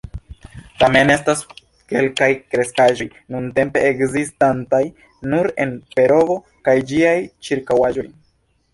Tamen estas kelkaj kreskaĵoj nuntempe ekzistantaj nur en Perovo kaj ĝiaj ĉirkaŭaĵoj.